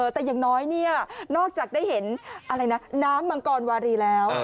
แต่อย่างน้อยเนี่ยนอกจากได้เห็นอะไรนะน้ำมังกรวารีแล้ว